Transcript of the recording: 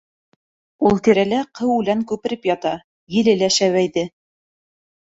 Ул тирәлә ҡыу үлән күпереп ята, еле лә шәбәйҙе.